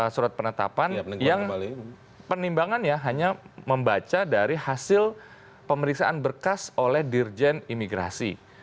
surat penetapan yang penimbangannya hanya membaca dari hasil pemeriksaan berkas oleh dirjen imigrasi